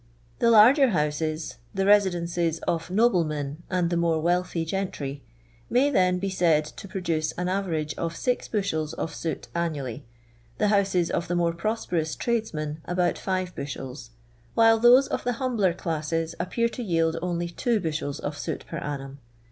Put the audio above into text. The larger houses — the residences of no blemen and the more wealthy gentry — may, then, be said to produce an average of six bushels of soot annually ; the houses of the more prosperous tradesmen, about five bushels; while those of the humbler classes appear to yield only two bushels of soot per annum.